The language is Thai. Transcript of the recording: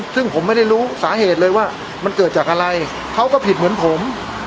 ซึ่งผมไม่ได้รู้สาเหตุเลยว่ามันเกิดจากอะไรเขาก็ผิดเหมือนผม